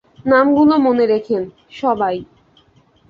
নামগুলো মনে রেখেন, সবাই!